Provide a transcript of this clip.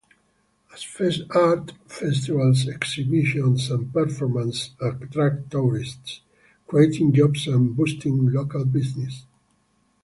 Art festivals, exhibitions, and performances attract tourists, creating jobs and boosting local businesses.